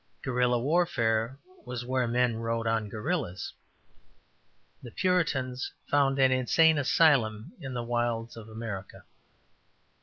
'' ``Gorilla warfare was where men rode on gorillas.'' ``The Puritans found an insane asylum in the wilds of America.''